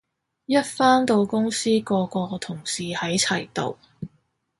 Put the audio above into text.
一返到公司個個同事喺齊度